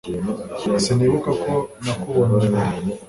Sinibuka ko nakubonye mbere